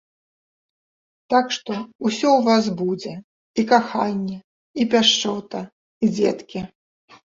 Так што ўсё ў вас будзе, і каханне, і пяшчота, і дзеткі!